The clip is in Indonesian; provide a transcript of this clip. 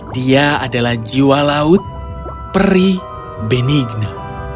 dia adalah jiwa laut peri benigna